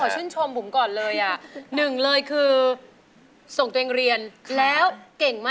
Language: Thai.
อายุ๒๔ปีวันนี้บุ๋มนะคะ